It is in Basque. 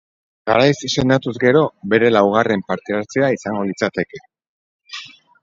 Garaiz sendatuz gero, bere laugarren parte-hartzea izango litzateke.